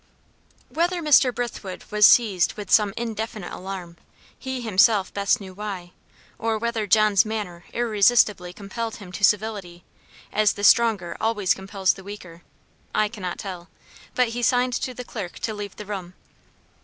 Whether Mr. Brithwood was seized with some indefinite alarm, he himself best knew why, or whether John's manner irresistibly compelled him to civility, as the stronger always compels the weaker, I cannot tell but he signed to the clerk to leave the room.